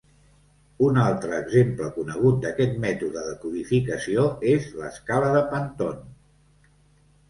Un altre exemple conegut d'aquest mètode de codificació és l'escala de Pantone.